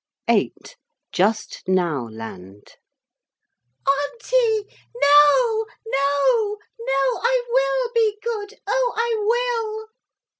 VIII JUSTNOWLAND 'Auntie! No, no, no! I will be good. Oh, I will!'